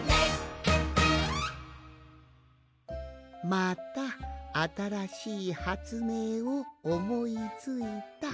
「またあたらしいはつめいをおもいついた。